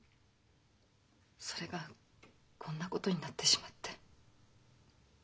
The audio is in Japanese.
それがこんなことになってしまって。